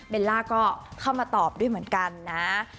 ล่าก็เข้ามาตอบด้วยเหมือนกันนะ